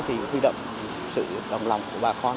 thì huy động sự đồng lòng của bà con